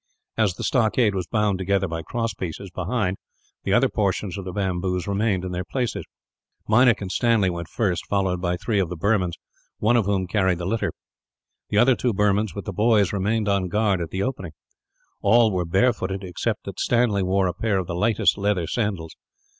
As the stockade was bound together by cross pieces, behind, the other portions of the bamboos remained in their places. Meinik and Stanley went first, followed by three of the Burmans, one of whom carried the litter. The other two Burmans with the boys, remained on guard at the opening. All were barefooted, except that Stanley wore a pair of the lightest leather sandals.